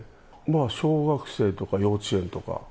小学生とか、幼稚園とか。